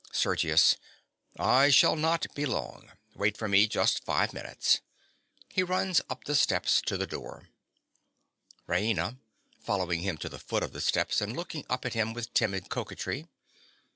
SERGIUS. I shall not be long. Wait for me just five minutes. (He runs up the steps to the door.) RAINA. (following him to the foot of the steps and looking up at him with timid coquetry).